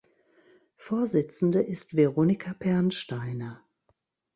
Vorsitzende ist Veronika Pernsteiner.